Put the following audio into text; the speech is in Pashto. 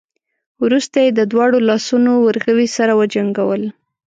وروسته يې د دواړو لاسونو ورغوي سره وجنګول.